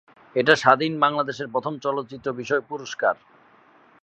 এটা স্বাধীন বাংলাদেশের প্রথম চলচ্চিত্র বিষয়ক পুরস্কার।